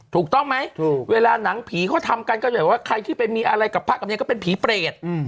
ถูกต้องไหมถูกเวลาหนังผีเขาทำกันก็เลยว่าใครที่ไปมีอะไรกับพระกับเนรก็เป็นผีเปรต